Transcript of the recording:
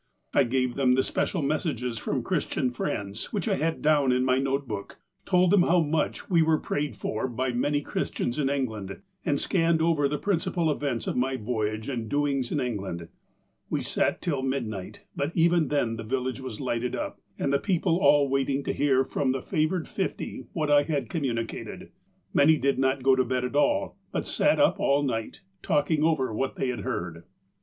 I gave them the special messages from Christian friends, which I had down in my note book, told them how much we were prayed for by many Christians in England, and scanned over the principal events of my voyage and doings in England. We sat till midnight, but even then the village was lighted up, and the people all waiting to hear from the favoured fifty what I had communicated. Many did not go to bed at all, but sat up all night, talking over what they had heard.